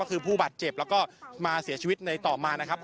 ก็คือผู้บาดเจ็บแล้วก็มาเสียชีวิตในต่อมานะครับ